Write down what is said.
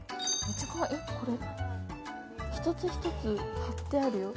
これ、一つ一つ貼ってあるよ。